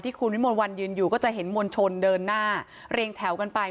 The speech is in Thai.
ที่มวรรณยืนอยู่ก็จะเห็นมณฑลเดินหน้าเรียงแถวกันไป